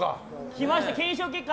きました、検証結果。